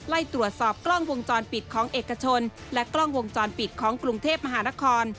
ไล่ตรวจสอบกล้องวงจรปิดของเอกชนและกล้องวงจรปิดของกรุงเทพมหานคร